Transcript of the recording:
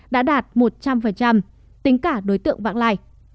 đã đạt một trăm linh tính cả đối tượng vạng lại